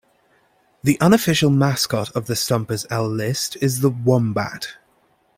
The unofficial mascot of the Stumpers-L list is the wombat.